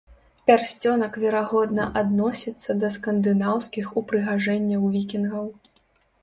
Пярсцёнак верагодна адносіцца да скандынаўскіх упрыгажэнняў вікінгаў.